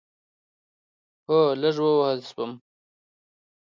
هو، لږ ووهل شوم